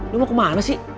lo mau kemana sih